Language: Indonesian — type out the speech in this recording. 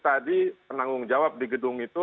tadi penanggung jawab di gedung itu